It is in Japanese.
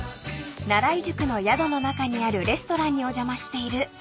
［奈良井宿の宿の中にあるレストランにお邪魔している太一さん］